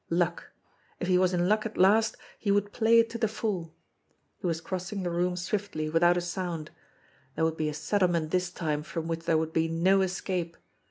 Luck ! If he was in luck at last, he would play it to the full. He was crossing 116 JIMMIE DALE AND THE PHANTOM CLUE the room swiftly, without a sound. There would be a settle ment this time from which there would be no escape